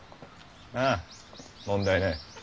ああ問題ない。